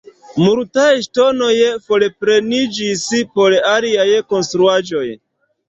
Multaj ŝtonoj forpreniĝis por aliaj konstruaĵoj.